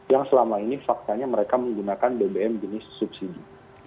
yang selama ini faktanya mereka menggunakan bbm jenis subsidi